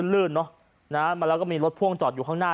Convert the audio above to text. เรื่อนแล้วมีรถพ่วงจอดอยู่ข้างหน้า